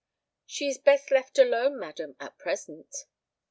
"She is best left alone, madam, at present."